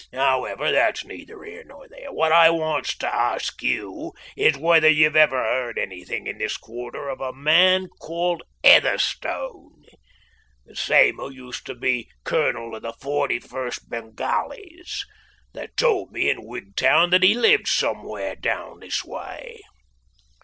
However, that's neither here nor there. What I want to ask you is whether you've ever heard anything in this quarter of a man called Heatherstone, the same who used to be colonel of the 41st Bengalis? They told me at Wigtown that he lived somewhere down this way."